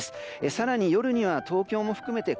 更に、夜には東京も含めて